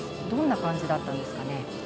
どんな感じだったんですかね。